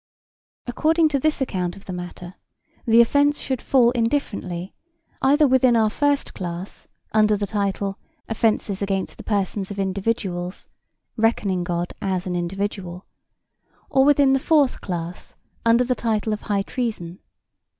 According to this account of the matter, the offence should fall indifferently either within our first class, under the title, offences against the persons of individuals (reckoning God as an individual), or within the fourth class under the title of High Treason.